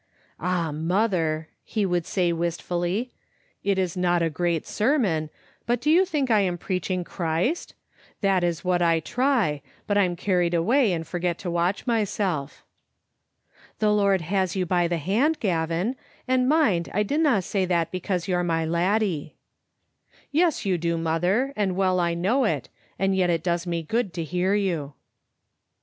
"Ah, mother," he would say wistfully, "it is not a great sermon, but do you think I'm preaching Christ? That is what I try, but I'm carried away and forget to watch myself. "" The Lord has you by the hand, Gavin ; and mind, I dinna say that because you're my laddie." " Yes, you do, mother, and well I know it, and yet it does me good to hear you.